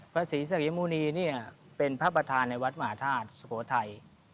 พระศรีศักยมูนีนี่เป็นพระประธานในวัดหมาธาตุสุโขทัย